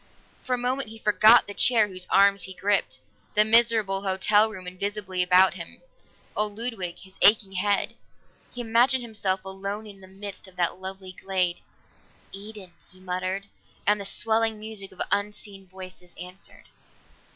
For a moment he forgot the chair whose arms he gripped, the miserable hotel room invisibly about him, old Ludwig, his aching head. He imagined himself alone in the midst of that lovely glade. "Eden!" he muttered, and the swelling music of unseen voices answered.